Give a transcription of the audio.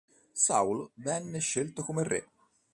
Saul venne scelto come re.